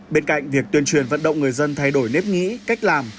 bên cạnh việc tuyên truyền vận động người dân thay đổi nếp nghĩ cách làm